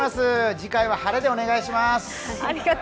次回は晴れでお願いします。